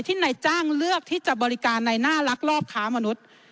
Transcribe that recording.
นายจ้างเลือกที่จะบริการในหน้าลักลอบค้ามนุษย์